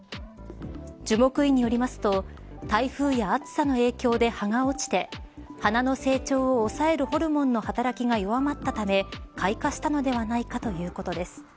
樹木医によりますと台風や暑さの影響で葉が落ちて花の成長を抑えるホルモンの働きが弱まったため開花したのではないかということです。